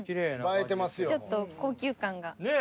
ちょっと高級感が。ねえ。